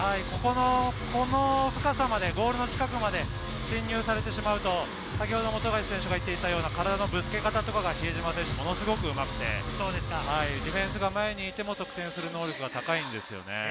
この深さまで、ゴールの近くまで進入されてしまうと、さきほども富樫選手が言っていましたが、体のぶつけ方が比江島選手が非常にうまくて、ディフェンスが前にいても得点する能力が高いんですよね。